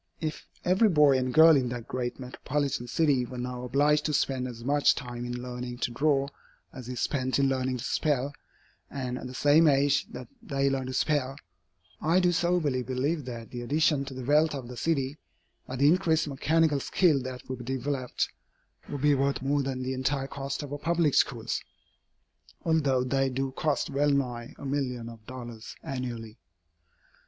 If every boy and girl in that great metropolitan city were now obliged to spend as much time in learning to draw as is spent in learning to spell, and at the same age that they learn to spell, I do soberly believe that the addition to the wealth of the city, by the increased mechanical skill that would be developed, would be worth more than the entire cost of her public schools, although they do cost well nigh a million of dollars annually.